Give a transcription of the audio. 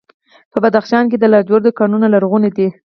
په بدخشان کې د لاجوردو کانونه لرغوني دي